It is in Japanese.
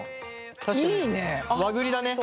確かに和栗だね。